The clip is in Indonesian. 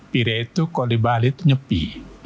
pire itu kalau di bali itu nyepi